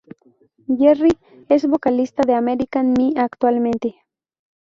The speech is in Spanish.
Jerry es vocalista de American Me actualmente.